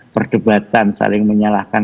perdebatan saling menyalahkan